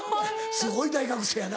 すごい大学生やな。